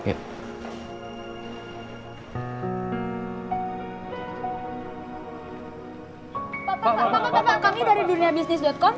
pak pak pak kami dari duniabisnis com